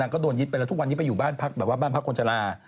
ก็โดนยึดไปแล้วทุกวันนี้ไปอยู่บ้านพักแบบว่าบ้านพักคนชะลา